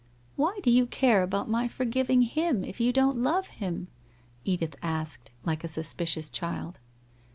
' Why do you care about my forgiving him, if you don't love him? ' Edith asked, like a suspicious child.